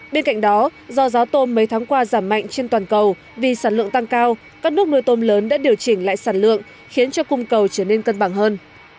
bên cạnh đó do giá tôm mấy tháng qua giảm mạnh trên toàn cầu vì sản lượng tăng cao các nước nuôi tôm lớn đã điều chỉnh lại sản lượng khiến cho cung cầu trở nên cân bằng hơn